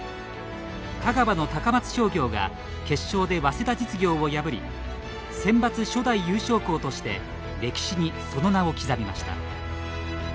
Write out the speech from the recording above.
香川の高松商業が決勝で早稲田実業を破りセンバツ初代優勝校として歴史に、その名を刻みました。